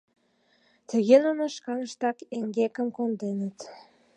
Тыге нуно шканыштак эҥгекым конденыт.